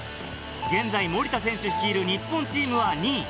現在森田選手率いる日本チームは２位。